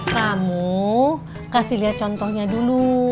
kamu kasih liat contohnya dulu